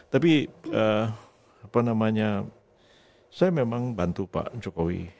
tapi apa namanya saya memang bantu pak jokowi